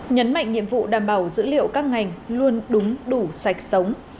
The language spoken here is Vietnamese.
nhấn mạnh nhiệm vụ đảm bảo dữ liệu các ngành luôn đúng đủ sạch sống